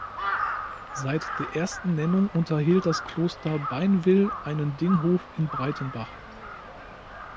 Seit der ersten Nennung unterhielt das Kloster Beinwil einen Dinghof in Breitenbach.